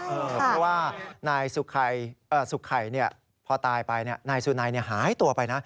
เพราะว่านายสุขไข่พอตายไปนายสุนัยหายตัวไปนะ